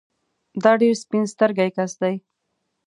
دا ډېر سپين سترګی کس دی